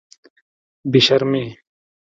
بې شرمې.